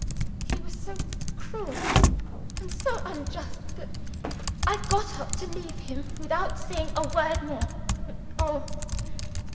He was so cruel and so unjust, that I got up to leave him, without saying a word more. But, oh!